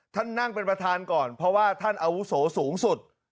นั่งเป็นประธานก่อนเพราะว่าท่านอาวุโสสูงสุด